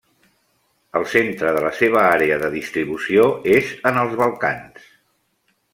El centre de la seva àrea de distribució és en els Balcans.